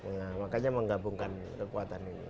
nah makanya menggabungkan kekuatan ini